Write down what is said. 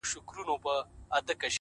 خو لا يې سترگي نه دي سرې خلگ خبري كـوي ـ